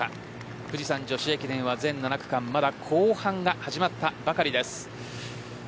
富士山女子駅伝は全７区間まだ後半が始まったばかりです。